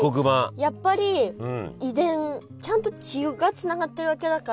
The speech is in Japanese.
やっぱり遺伝ちゃんと血がつながってるわけだから。